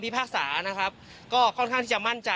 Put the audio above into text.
ทางสารชั้นต้นได้ยกฟ้องตอนนี้กันค่ะ